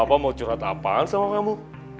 papa mau curhat apaan sama kamu